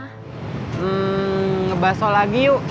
hmm ngebahas soal lagi yuk